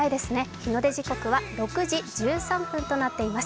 日の出時刻は６時１３分となっています。